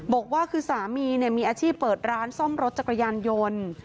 บอกว่าคือสามีมีอาชีพเปิดร้านซ่อมรถจักรยานยนต์